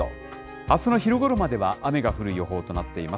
あすの昼ごろまでは雨が降る予報となっています。